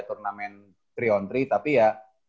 turnamen tiga on tiga tapi ya